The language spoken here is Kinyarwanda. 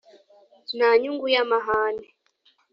nta nyungu y’amahane